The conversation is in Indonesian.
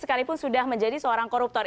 sekalipun sudah menjadi seorang koruptor